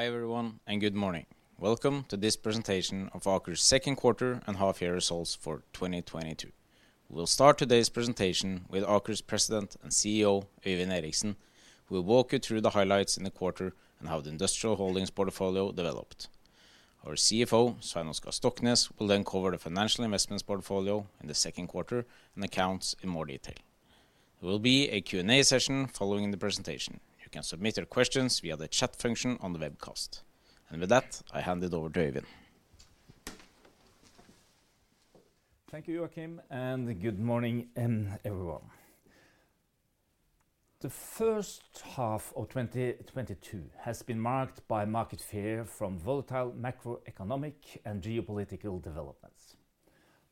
Hi everyone, and good morning. Welcome to this presentation of Aker's second quarter and half year results for 2022. We'll start today's presentation with Aker's President and CEO, Øyvind Eriksen, who will walk you through the highlights in the quarter and how the industrial holdings portfolio developed. Our CFO, Svein Oskar Stoknes, will then cover the financial investments portfolio in the second quarter and accounts in more detail. There will be a Q&A session following the presentation. You can submit your questions via the chat function on the webcast. With that, I hand it over to Øyvind. Thank you, Joachim, and good morning, everyone. The first half of 2022 has been marked by market fear from volatile macroeconomic and geopolitical developments.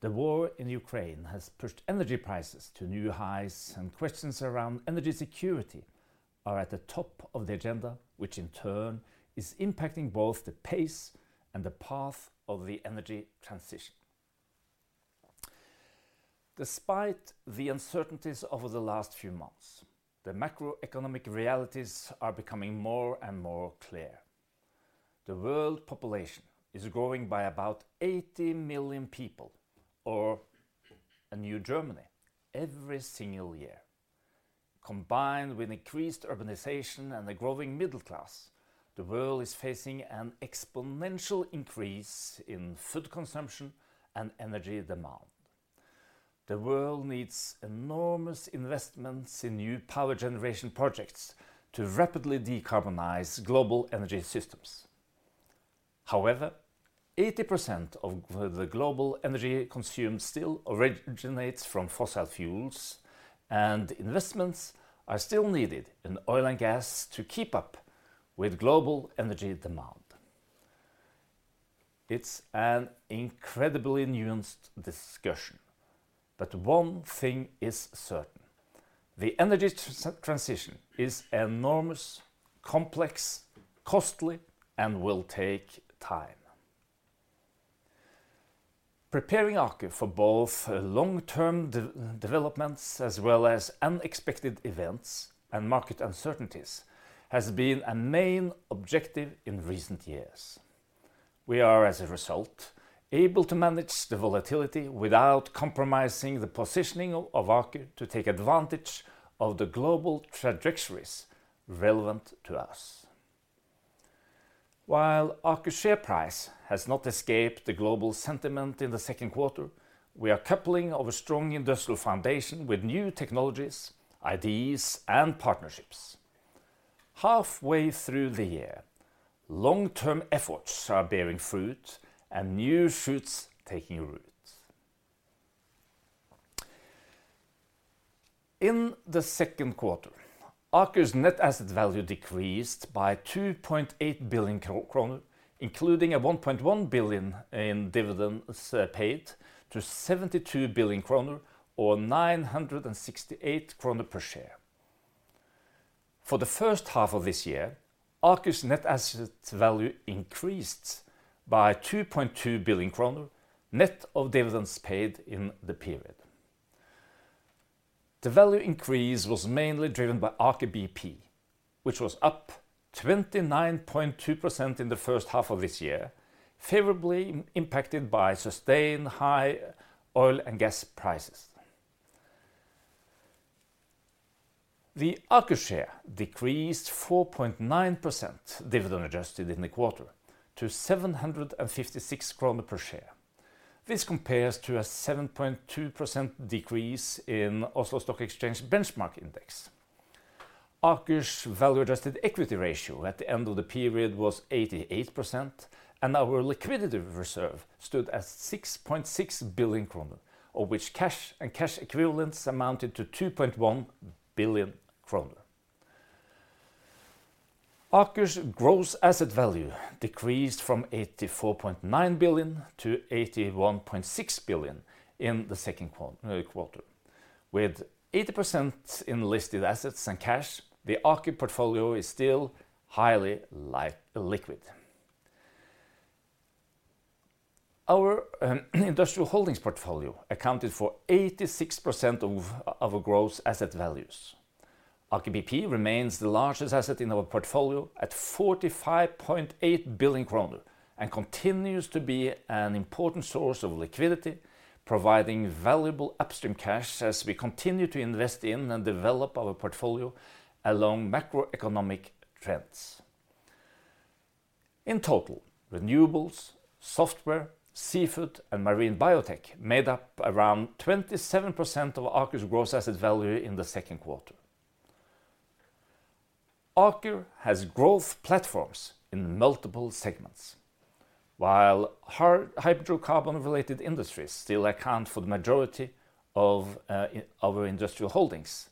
The war in Ukraine has pushed energy prices to new highs and questions around energy security are at the top of the agenda, which in turn is impacting both the pace and the path of the energy transition. Despite the uncertainties over the last few months, the macroeconomic realities are becoming more and more clear. The world population is growing by about 80 million people or a new Germany every single year. Combined with increased urbanization and a growing middle class, the world is facing an exponential increase in food consumption and energy demand. The world needs enormous investments in new power generation projects to rapidly decarbonize global energy systems. However, 80% of the global energy consumed still originates from fossil fuels, and investments are still needed in oil and gas to keep up with global energy demand. It's an incredibly nuanced discussion, but one thing is certain. The energy transition is enormous, complex, costly, and will take time. Preparing Aker for both long-term developments as well as unexpected events and market uncertainties has been a main objective in recent years. We are, as a result, able to manage the volatility without compromising the positioning of Aker to take advantage of the global trajectories relevant to us. While Aker share price has not escaped the global sentiment in the second quarter, we are coupling our strong industrial foundation with new technologies, ideas, and partnerships. Halfway through the year, long-term efforts are bearing fruit and new shoots taking root. In the second quarter, Aker's net asset value decreased by 2.8 billion crown, including a 1.1 billion in dividends paid to 72 billion crown, or 968 crown per share. For the first half of this year, Aker's net asset value increased by 2.2 billion crown, net of dividends paid in the period. The value increase was mainly driven by Aker BP, which was up 29.2% in the first half of this year, favorably impacted by sustained high oil and gas prices. The Aker share decreased 4.9% dividend adjusted in the quarter to 756 crown per share. This compares to a 7.2% decrease in Oslo Stock Exchange benchmark index. Aker's value-adjusted equity ratio at the end of the period was 88%, and our liquidity reserve stood at 6.6 billion kroner, of which cash and cash equivalents amounted to 2.1 billion kroner. Aker's gross asset value decreased from 84.9 billion to 81.6 billion in the second quarter. With 80% in listed assets and cash, the Aker portfolio is still highly liquid. Our industrial holdings portfolio accounted for 86% of our gross asset values. Aker BP remains the largest asset in our portfolio at 45.8 billion kroner and continues to be an important source of liquidity, providing valuable upstream cash as we continue to invest in and develop our portfolio along macroeconomic trends. In total, renewables, software, seafood, and marine biotech made up around 27% of Aker's gross asset value in the second quarter. Aker has growth platforms in multiple segments. While hydrocarbon-related industries still account for the majority of our industrial holdings,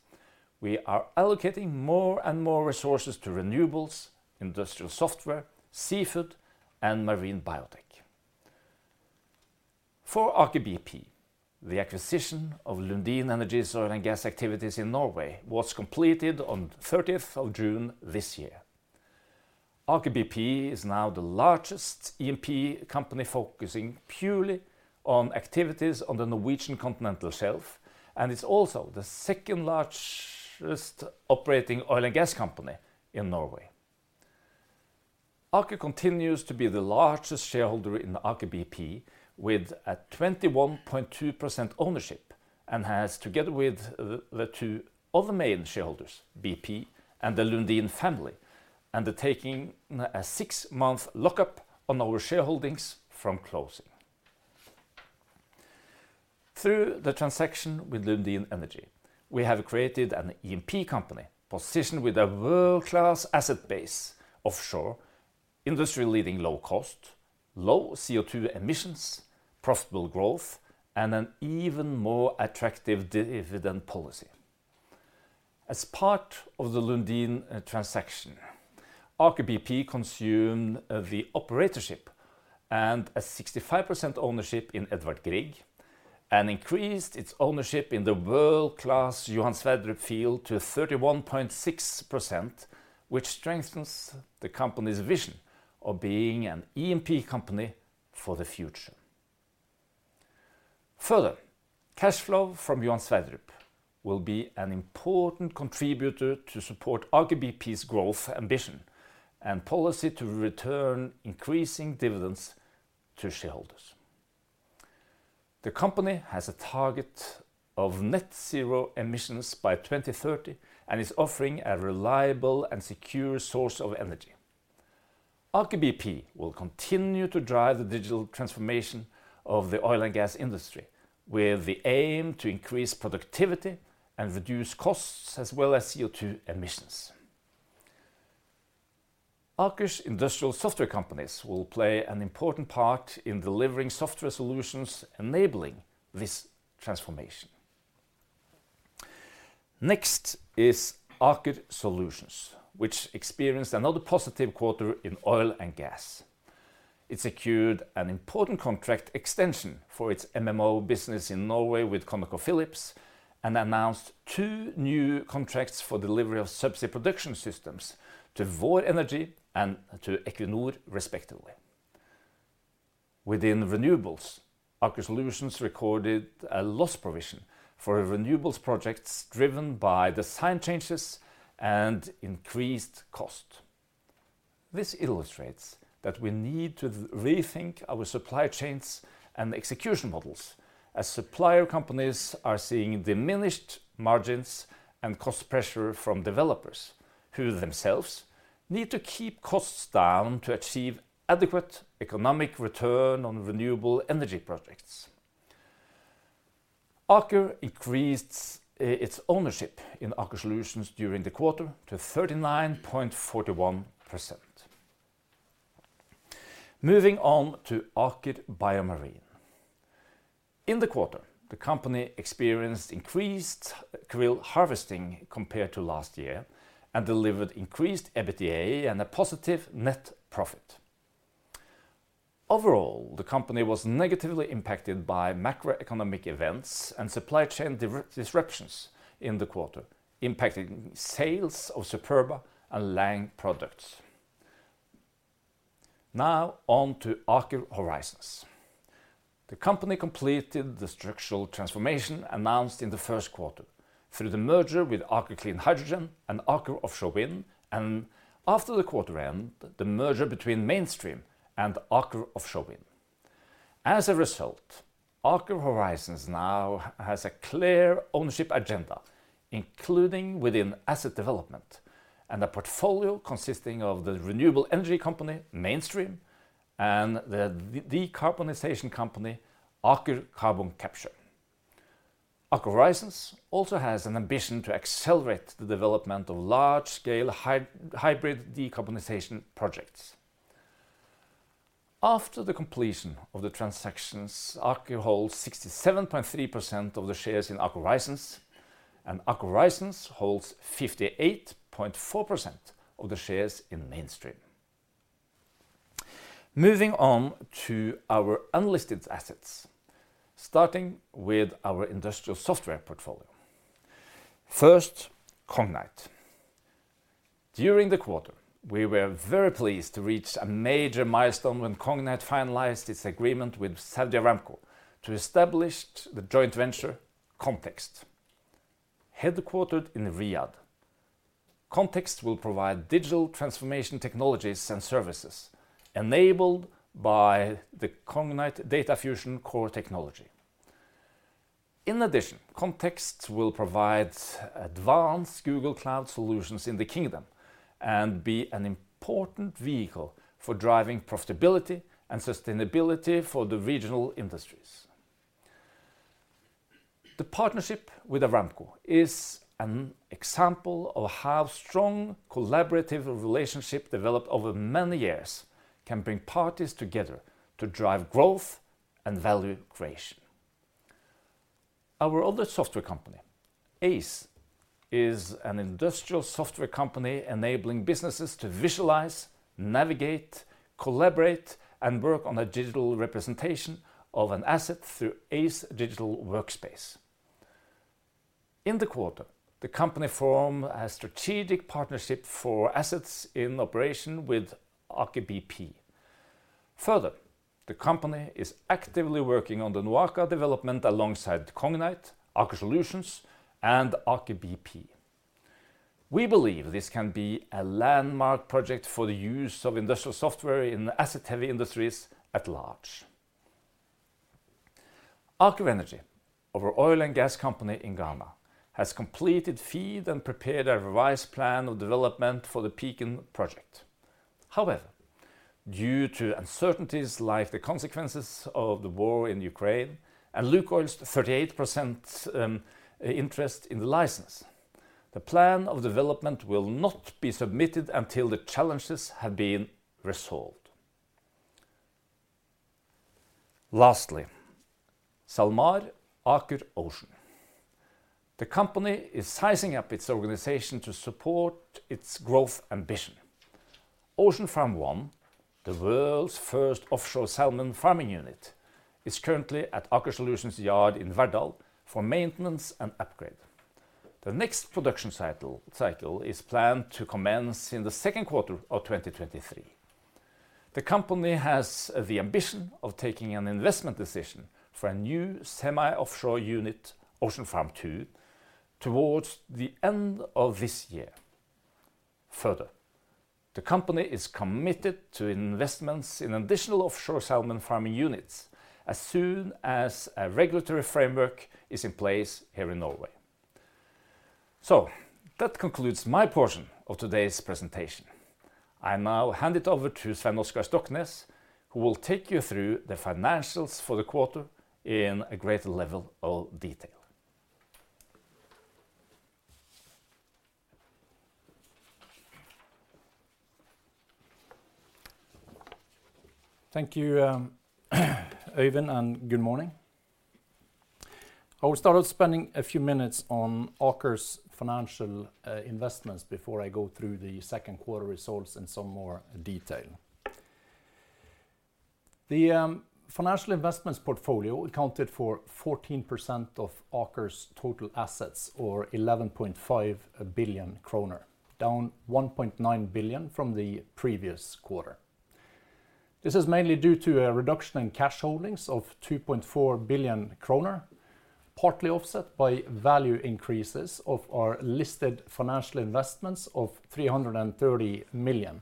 we are allocating more and more resources to renewables, industrial software, seafood, and marine biotech. For Aker BP, the acquisition of Lundin Energy's oil and gas activities in Norway was completed on 30th of June this year. Aker BP is now the largest E&P company focusing purely on activities on the Norwegian Continental Shelf, and it's also the second-largest operating oil and gas company in Norway. Aker continues to be the largest shareholder in Aker BP with a 21.2% ownership and has, together with the two other main shareholders, BP and the Lundin family, undertaking a six-month lockup on our shareholdings from closing. Through the transaction with Lundin Energy, we have created an E&P company positioned with a world-class asset base offshore, industry-leading low cost, low CO2 emissions, profitable growth, and an even more attractive dividend policy. As part of the Lundin transaction, Aker BP assumed the operatorship and a 65% ownership in Edvard Grieg and increased its ownership in the world-class Johan Sverdrup field to 31.6%, which strengthens the company's vision of being an E&P company for the future. Further, cash flow from Johan Sverdrup will be an important contributor to support Aker BP's growth ambition and policy to return increasing dividends to shareholders. The company has a target of net zero emissions by 2030 and is offering a reliable and secure source of energy. Aker BP will continue to drive the digital transformation of the oil and gas industry with the aim to increase productivity and reduce costs as well as CO2 emissions. Aker's industrial software companies will play an important part in delivering software solutions enabling this transformation. Next is Aker Solutions, which experienced another positive quarter in oil and gas. It secured an important contract extension for its MMO business in Norway with ConocoPhillips and announced two new contracts for delivery of subsea production systems to Vår Energi and to Equinor respectively. Within renewables, Aker Solutions recorded a loss provision for renewables projects driven by design changes and increased cost. This illustrates that we need to rethink our supply chains and execution models as supplier companies are seeing diminished margins and cost pressure from developers who themselves need to keep costs down to achieve adequate economic return on renewable energy projects. Aker increased its ownership in Aker Solutions during the quarter to 39.41%. Moving on to Aker BioMarine. In the quarter, the company experienced increased krill harvesting compared to last year and delivered increased EBITDA and a positive net profit. Overall, the company was negatively impacted by macroeconomic events and supply chain disruptions in the quarter, impacting sales of Superba and Lang products. Now on to Aker Horizons. The company completed the structural transformation announced in the first quarter through the merger with Aker Clean Hydrogen and Aker Offshore Wind and after the quarter end, the merger between Mainstream and Aker Offshore Wind. As a result, Aker Horizons now has a clear ownership agenda, including within asset development and a portfolio consisting of the renewable energy company Mainstream and the decarbonization company Aker Carbon Capture. Aker Horizons also has an ambition to accelerate the development of large-scale hybrid decarbonization projects. After the completion of the transactions, Aker holds 67.3% of the shares in Aker Horizons, and Aker Horizons holds 58.4% of the shares in Mainstream. Moving on to our unlisted assets, starting with our industrial software portfolio. First, Cognite. During the quarter, we were very pleased to reach a major milestone when Cognite finalized its agreement with Saudi Aramco to establish the joint venture, CNTXT. Headquartered in Riyadh, CNTXT will provide digital transformation technologies and services enabled by the Cognite Data Fusion core technology. In addition, CNTXT will provide advanced Google Cloud solutions in the kingdom and be an important vehicle for driving profitability and sustainability for the regional industries. The partnership with Aramco is an example of how strong collaborative relationship developed over many years can bring parties together to drive growth and value creation. Our other software company, Aize, is an industrial software company enabling businesses to visualize, navigate, collaborate, and work on a digital representation of an asset through Aize Digital Workspace. In the quarter, the company formed a strategic partnership for assets in operation with Aker BP. Further, the company is actively working on the NOAKA development alongside Cognite, Aker Solutions, and Aker BP. We believe this can be a landmark project for the use of industrial software in asset-heavy industries at large. Aker Energy, our oil and gas company in Ghana, has completed FEED and prepared a revised plan of development for the Pecan project. However, due to uncertainties like the consequences of the war in Ukraine and LUKOIL's 38% interest in the license, the plan of development will not be submitted until the challenges have been resolved. Lastly, SalMar Aker Ocean. The company is sizing up its organization to support its growth ambition. Ocean Farm 1, the world's first offshore salmon farming unit, is currently at Aker Solutions' yard in Verdal for maintenance and upgrade. The next production cycle is planned to commence in the second quarter of 2023. The company has the ambition of taking an investment decision for a new semi-offshore unit, Ocean Farm 2, towards the end of this year. Further, the company is committed to investments in additional offshore salmon farming units as soon as a regulatory framework is in place here in Norway. That concludes my portion of today's presentation. I now hand it over to Svein Oskar Stoknes, who will take you through the financials for the quarter in a greater level of detail. Thank you, Øyvind, and good morning. I will start off spending a few minutes on Aker's financial investments before I go through the second quarter results in some more detail. The financial investments portfolio accounted for 14% of Aker's total assets or 11.5 billion kroner, down 1.9 billion from the previous quarter. This is mainly due to a reduction in cash holdings of 2.4 billion kroner, partly offset by value increases of our listed financial investments of 330 million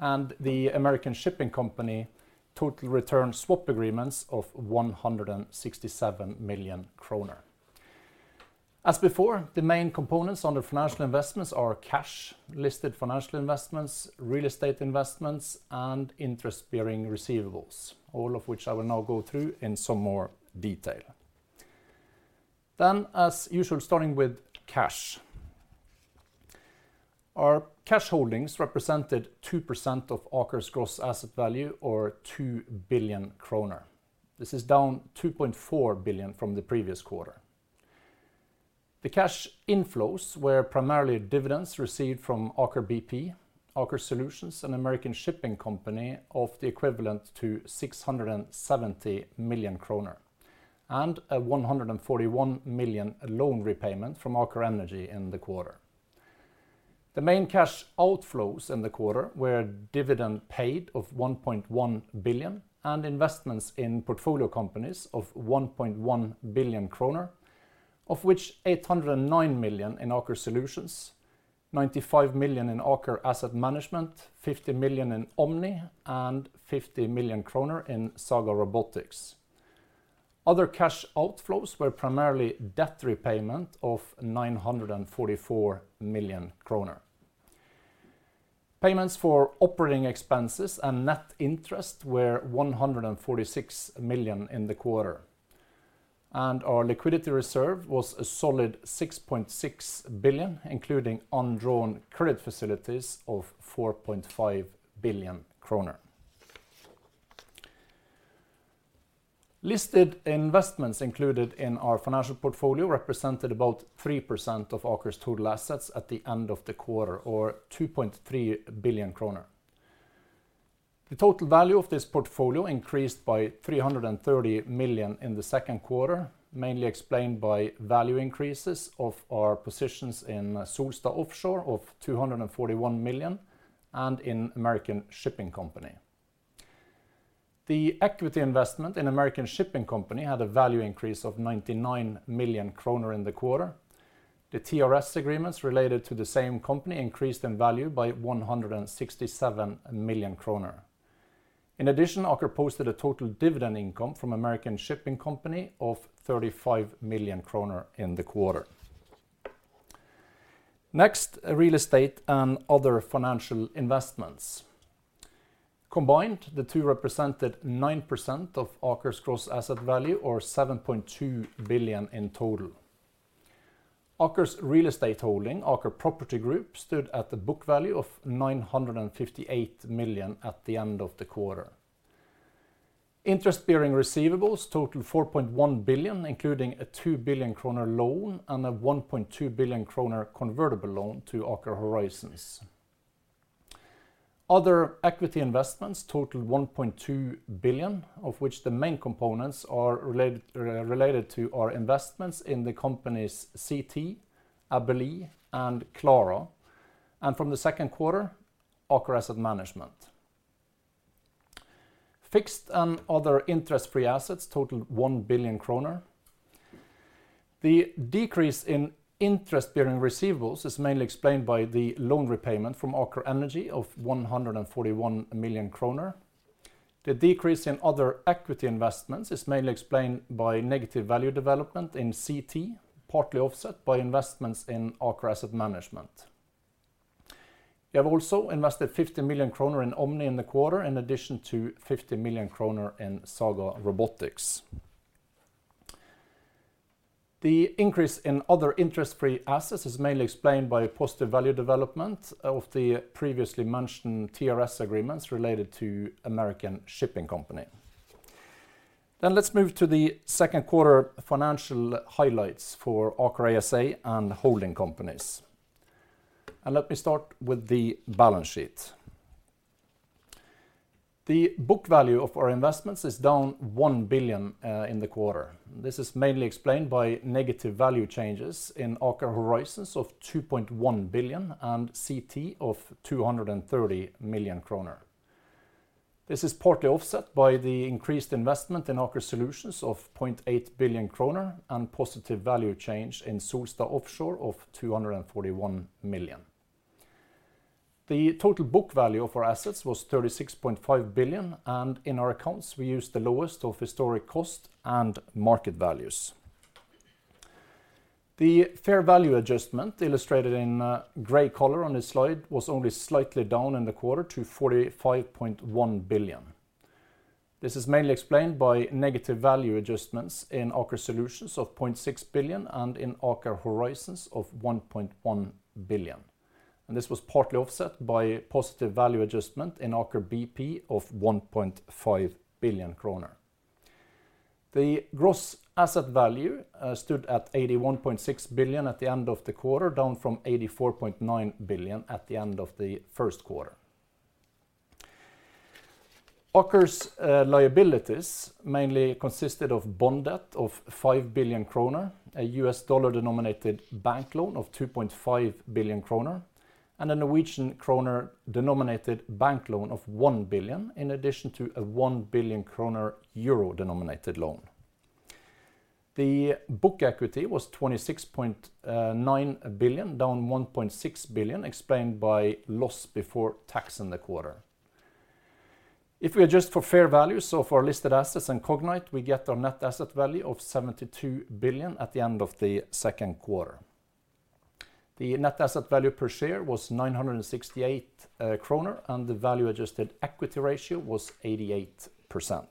and the American Shipping Company total return swap agreements of 167 million kroner. As before, the main components under financial investments are cash, listed financial investments, real estate investments, and interest-bearing receivables, all of which I will now go through in some more detail. As usual, starting with cash. Our cash holdings represented 2% of Aker's gross asset value or 2 billion kroner. This is down 2.4 billion from the previous quarter. The cash inflows were primarily dividends received from Aker BP, Aker Solutions, and American Shipping Company of the equivalent to 670 million kroner and a 141 million loan repayment from Aker Energy in the quarter. The main cash outflows in the quarter were dividend paid of 1.1 billion and investments in portfolio companies of 1.1 billion kroner, of which 809 million in Aker Solutions, 95 million in Aker Asset Management, 50 million in Omny, and 50 million kroner in Saga Robotics. Other cash outflows were primarily debt repayment of 944 million kroner. Payments for operating expenses and net interest were 146 million in the quarter, and our liquidity reserve was a solid 6.6 billion, including undrawn credit facilities of 4.5 billion kroner. Listed investments included in our financial portfolio represented about 3% of Aker's total assets at the end of the quarter or 2.3 billion kroner. The total value of this portfolio increased by 330 million in the second quarter, mainly explained by value increases of our positions in Solstad Offshore of 241 million and in American Shipping Company. The equity investment in American Shipping Company had a value increase of 99 million kroner in the quarter. The TRS agreements related to the same company increased in value by 167 million kroner. In addition, Aker posted a total dividend income from American Shipping Company of 35 million kroner in the quarter. Next, real estate and other financial investments. Combined, the two represented 9% of Aker's gross asset value, or 7.2 billion in total. Aker's real estate holding, Aker Property Group, stood at a book value of 958 million at the end of the quarter. Interest-bearing receivables totaled 4.1 billion, including a 2 billion kroner loan and a 1.2 billion kroner convertible loan to Aker Horizons. Other equity investments totaled 1.2 billion, of which the main components are related to our investments in the companies CNTXT, Abelee, and Clara. From the second quarter, Aker Asset Management. Fixed and other interest-free assets totaled 1 billion kroner. The decrease in interest-bearing receivables is mainly explained by the loan repayment from Aker Energy of 141 million kroner. The decrease in other equity investments is mainly explained by negative value development in CNTXT, partly offset by investments in Aker Asset Management. We have also invested 50 million kroner in Omny in the quarter, in addition to 50 million kroner in Saga Robotics. The increase in other interest-free assets is mainly explained by positive value development of the previously mentioned TRS agreements related to American Shipping Company. Let's move to the second quarter financial highlights for Aker ASA and holding companies, and let me start with the balance sheet. The book value of our investments is down 1 billion in the quarter. This is mainly explained by negative value changes in Aker Horizons of 2.1 billion and CNTXT of 230 million kroner. This is partly offset by the increased investment in Aker Solutions of 0.8 billion kroner and positive value change in Solstad Offshore of 241 million. The total book value of our assets was 36.5 billion, and in our accounts, we used the lowest of historic cost and market values. The fair value adjustment illustrated in gray color on this slide was only slightly down in the quarter to 45.1 billion. This is mainly explained by negative value adjustments in Aker Solutions of 0.6 billion and in Aker Horizons of 1.1 billion. This was partly offset by positive value adjustment in Aker BP of 1.5 billion kroner. The gross asset value stood at 81.6 billion at the end of the quarter, down from 84.9 billion at the end of the first quarter. Aker's liabilities mainly consisted of bond debt of 5 billion kroner, a US dollar-denominated bank loan of 2.5 billion kroner, and a Norwegian kroner-denominated bank loan of 1 billion, in addition to a 1 billion kroner euro-denominated loan. The book equity was 26.9 billion, down 1.6 billion, explained by loss before tax in the quarter. If we adjust for fair value, so for our listed assets in Cognite, we get our net asset value of 72 billion at the end of the second quarter. The net asset value per share was 968 kroner, and the value adjusted equity ratio was 88%.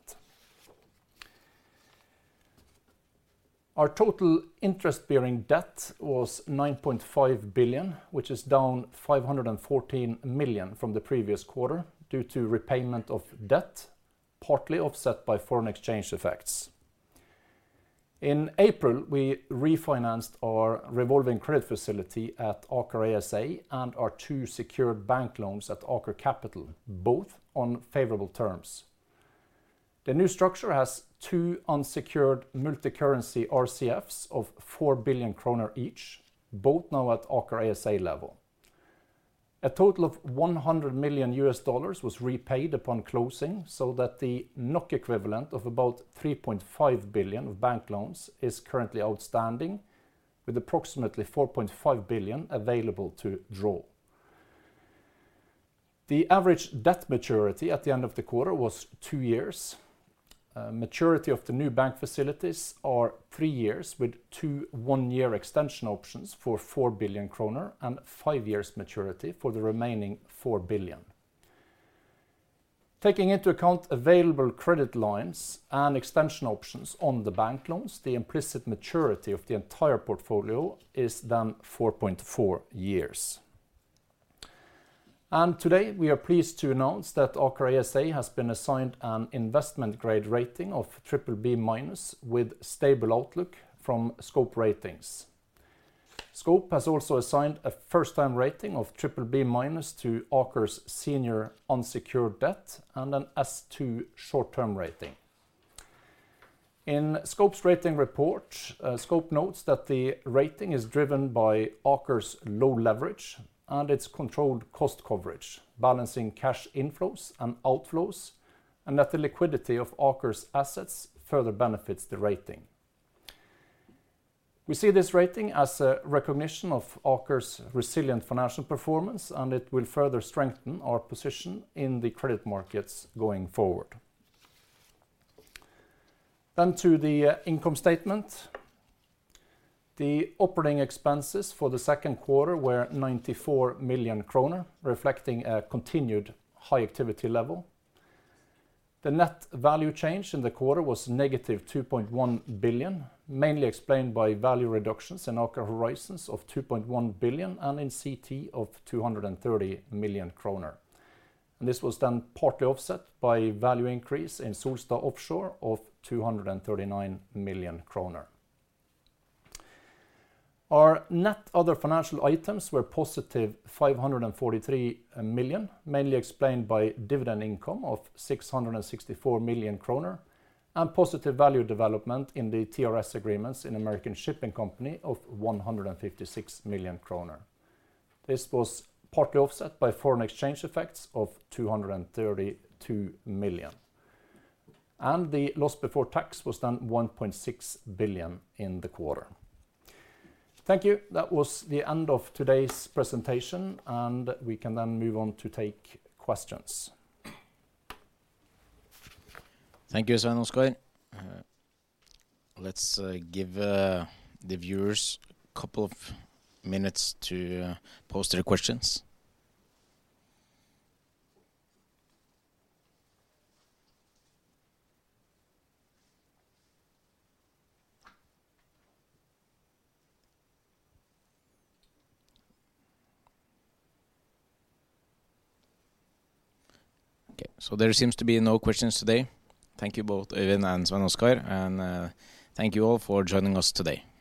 Our total interest-bearing debt was 9.5 billion, which is down 514 million from the previous quarter due to repayment of debt, partly offset by foreign exchange effects. In April, we refinanced our revolving credit facility at Aker ASA and our two secured bank loans at Aker Capital, both on favorable terms. The new structure has two unsecured multicurrency RCFs of 4 billion kroner each, both now at Aker ASA level. A total of $100 million was repaid upon closing, so that the NOK equivalent of about 3.5 billion of bank loans is currently outstanding, with approximately 4.5 billion available to draw. The average debt maturity at the end of the quarter was two years. Maturity of the new bank facilities are 3 years, with two 1-year extension options for 4 billion kroner and 5 years maturity for the remaining 4 billion. Taking into account available credit lines and extension options on the bank loans, the implicit maturity of the entire portfolio is then 4.4 years. Today, we are pleased to announce that Aker ASA has been assigned an investment grade rating of BBB- with stable outlook from Scope Ratings. Scope has also assigned a first-time rating of BBB- to Aker's senior unsecured debt and an S2 short-term rating. In Scope's rating report, Scope notes that the rating is driven by Aker's low leverage and its controlled cost coverage, balancing cash inflows and outflows, and that the liquidity of Aker's assets further benefits the rating. We see this rating as a recognition of Aker's resilient financial performance, and it will further strengthen our position in the credit markets going forward. To the income statement. The operating expenses for the second quarter were 94 million kroner, reflecting a continued high activity level. The net value change in the quarter was negative 2.1 billion, mainly explained by value reductions in Aker Horizons of 2.1 billion and in CNTXT of 230 million kroner. This was then partly offset by value increase in Solstad Offshore of 239 million kroner. Our net other financial items were positive 543 million, mainly explained by dividend income of 664 million kroner and positive value development in the TRS agreements in American Shipping Company of 156 million kroner. This was partly offset by foreign exchange effects of 232 million. The loss before tax was then 1.6 billion in the quarter. Thank you. That was the end of today's presentation, and we can then move on to take questions. Thank you, Svein Oskar. Let's give the viewers a couple of minutes to post their questions. Okay, so there seems to be no questions today. Thank you both, Øyvind and Svein Oskar, and thank you all for joining us today.